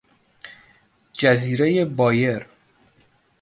جزیرهی بایر